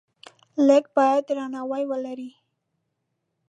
لیک باید درناوی ولري.